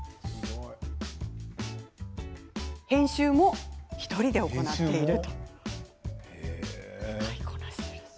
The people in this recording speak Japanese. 編集も１人で行っています。